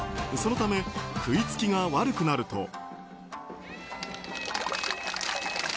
そのため食いつきが悪くなると。